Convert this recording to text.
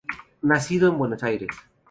Nacido en Buenos Aires.